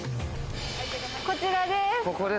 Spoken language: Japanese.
こちらです。